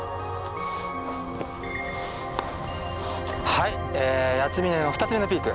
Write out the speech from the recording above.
はい八ツ峰の２つ目のピーク